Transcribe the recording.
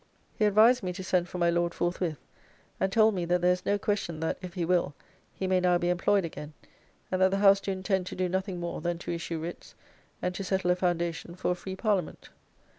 He advised me to send for my Lord forthwith, and told me that there is no question that, if he will, he may now be employed again; and that the House do intend to do nothing more than to issue writs, and to settle a foundation for a free Parliament.